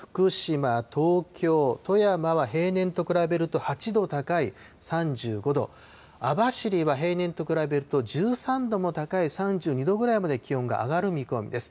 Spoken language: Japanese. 福島、東京、富山は平年と比べると８度高い３５度、網走は平年と比べると１３度も高い３２度ぐらいまで気温が上がる見込みです。